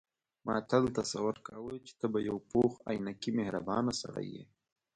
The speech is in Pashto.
ما تل تصور کاوه چې ته به یو پوخ عینکي مهربانه سړی یې.